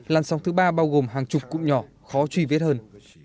làn sóng thứ ba bao gồm hàng chục cụm nhỏ khó truy vết hơn